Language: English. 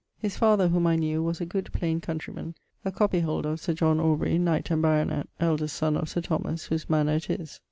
His father (whom I knew) was a good plaine countreyman, a coppyholder of Sir John Aubrey, knight and baronet (eldest son of Sir Thomas), whose mannour it is.